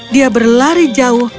dia berlari jauh